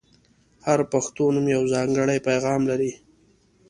• هر پښتو نوم یو ځانګړی پیغام لري.